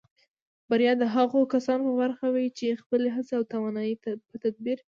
بریا د هغو کسانو په برخه وي چې خپلې هڅې او توانایۍ په تدبیر